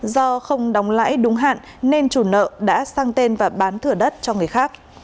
do không đóng lãi đúng hạn nên chủ nợ đã sang tên và bán thửa đất cho người khác